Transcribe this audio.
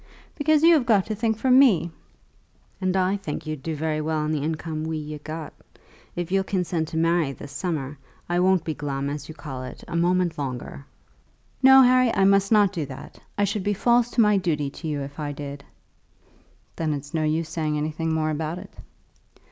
"Because you have got to think for me." "And I think you'd do very well on the income we've got. If you'll consent to marry, this summer, I won't be glum, as you call it, a moment longer." "No, Harry; I must not do that. I should be false to my duty to you if I did." "Then it's no use saying anything more about it."